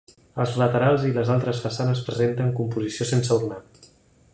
Els laterals i les altres façanes presenten composició sense ornar.